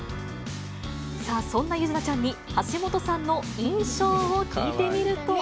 そんな柚凪ちゃんに、橋本さんの印象を聞いてみると。